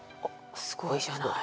すごいじゃない。